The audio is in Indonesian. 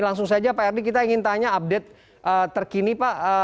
langsung saja pak erdi kita ingin tanya update terkini pak